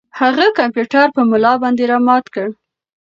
هغه کمپیوټر په ملا باندې را مات کړ.